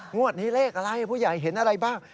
งวดนี้เลขอะไรผู้ใหญ่เห็นอะไรบ้าง